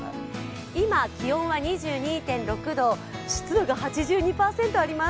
今、気温は２２．６度、湿度が８２％もあります。